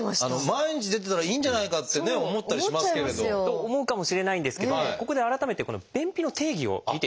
毎日出てたらいいんじゃないかってね思ったりしますけれど。と思うかもしれないんですけどここで改めて便秘の定義を見ていきましょう。